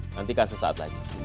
nantikan sesaat lagi